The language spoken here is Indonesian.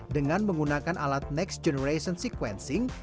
dengan menggunakan alat next generation sequencing